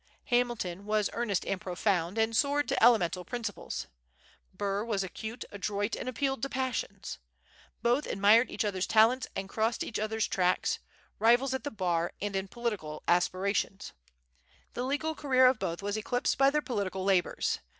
Hamilton was earnest and profound, and soared to elemental principles. Burr was acute, adroit, and appealed to passions. Both admired each other's talents and crossed each other's tracks, rivals at the Bar and in political aspirations. The legal career of both was eclipsed by their political labors.